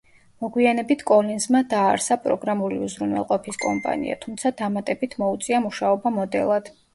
მოგვიანებით კოლინზმა დააარსა პროგრამული უზრუნველყოფის კომპანია, თუმცა დამატებით მოუწია მუშაობა მოდელად.